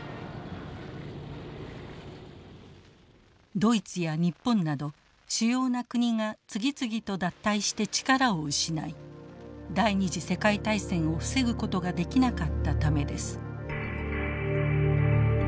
ドイツや日本など主要な国が次々と脱退して力を失い第２次世界大戦を防ぐことができなかったためです。